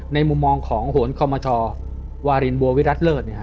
ในมุมมองของโหนคอมเมอร์ชอวารินบัววิรัตน์เลิศ